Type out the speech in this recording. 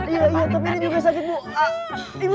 iya iya tapi ini juga sakit bu ibu